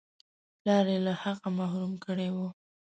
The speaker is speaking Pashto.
پلار یې له حقه محروم کړی وو.